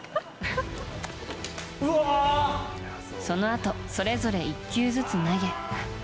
そのあとそれぞれ１球ずつ投げ。